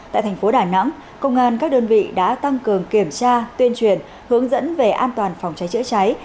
tại thành phố đà nẵng công an các đơn vị đã tăng cường kiểm tra tuyên truyền hướng dẫn về an toàn phòng cháy chữa cháy